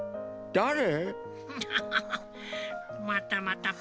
だれ？